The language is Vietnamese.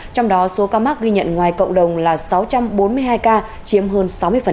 trong đó số ca mắc ghi nhận ngoài cộng đồng là sáu trăm bốn mươi hai ca chiếm hơn sáu mươi